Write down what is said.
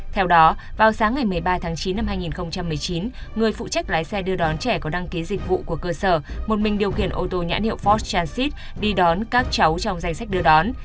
theo đó vào sáng ngày một mươi ba tháng chín năm hai nghìn một mươi chín người phụ trách lái xe đưa đón trẻ có đăng ký dịch vụ của cơ sở một mình điều khiển ô tô nhãn hiệu ford transit đi đón các cháu trong danh sách đưa đón